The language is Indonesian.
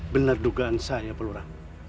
benar dugaan saya pak lora